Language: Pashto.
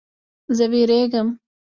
زه ویریږم